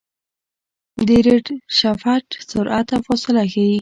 د ریډشفټ سرعت او فاصله ښيي.